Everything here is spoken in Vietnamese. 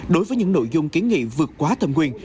đối với những nội dung kiến nghị vượt quá thẩm quyền